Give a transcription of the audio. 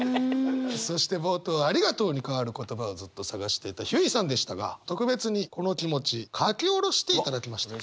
そして冒頭「ありがとう」に代わる言葉をずっと探していたひゅーいさんでしたが特別にこの気持ち書き下ろしていただきました。